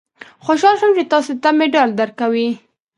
خوشاله شوم چې تاسې ته مډال درکوي.